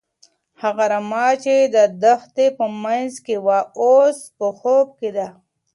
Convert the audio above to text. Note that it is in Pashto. هغه رمه چې د دښتې په منځ کې وه، اوس په خوب کې ده.